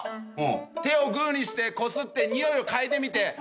手をグーにしてこすってにおいを嗅いでみて。